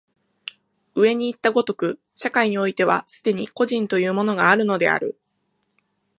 上にいった如く、社会においては既に個人というものがあるのである。